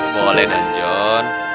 boleh dan jon